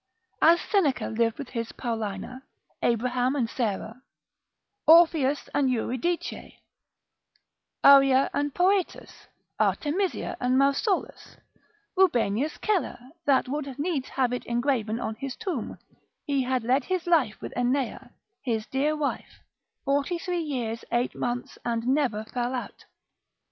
As Seneca lived with his Paulina, Abraham and Sarah, Orpheus and Eurydice, Arria and Poetus, Artemisia and Mausolus, Rubenius Celer, that would needs have it engraven on his tomb, he had led his life with Ennea, his dear wife, forty three years eight months, and never fell out.